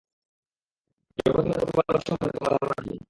জগতসমূহের প্রতিপালক সম্বন্ধে তোমাদের ধারণা কী?